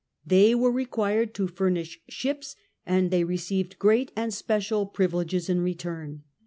They were required to furnish ships, and they received great and special privileges in return.